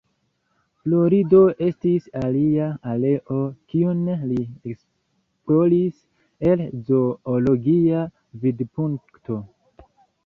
Florido estis alia areo kiun li esploris el zoologia vidpunkto.